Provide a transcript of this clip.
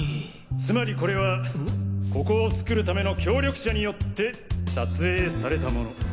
つまりこれはここを作るための協力者によって撮影されたもの。